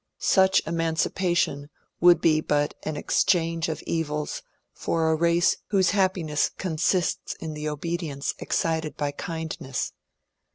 Such emancipation would be but an exchange of evils for a race whose happiness consists in the obedience excited by kindness.